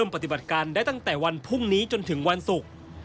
ปฏิบัติการได้ตั้งแต่วันพรุ่งนี้จนถึงวันศุกร์